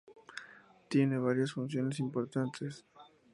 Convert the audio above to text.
Tiene varias funciones importantes.